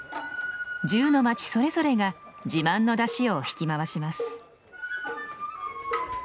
１０の町それぞれが自慢の山車を引き回します。